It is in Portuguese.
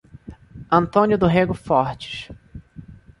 Antônio do Rego Fortes